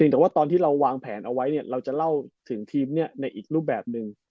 แต่ว่าตอนที่เราวางแผนเอาไว้เราจะเล่าถึงทีมในอีกรูปแบบหนึ่ง